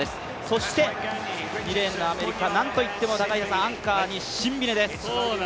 そして２レーンの南アフリカ、なんといってもアンカーにシンビネです。